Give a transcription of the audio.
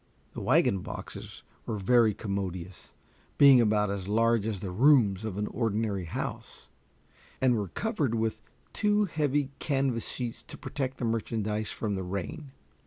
The wagon boxes were very commodious, being about as large as the rooms of an ordinary house, and were covered with two heavy canvas sheets to protect the merchandise from the rain.